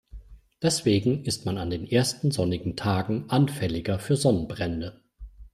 Deswegen ist man an den ersten sonnigen Tagen anfälliger für Sonnenbrände.